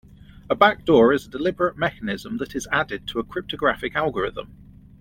A backdoor is a deliberate mechanism that is added to a cryptographic algorithm.